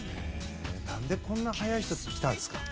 何でこんな速い人が出てきたんですか？